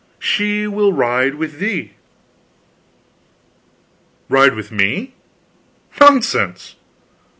She will ride with thee." "Ride with me? Nonsense!"